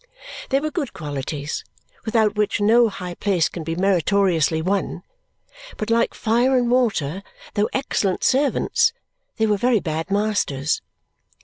They were good qualities, without which no high place can be meritoriously won, but like fire and water, though excellent servants, they were very bad masters.